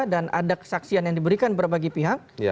dan ada saksian yang diberikan berbagai pihak